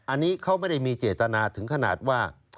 อันนี้เขาไม่ได้มีเจตนาถึงขนาดว่า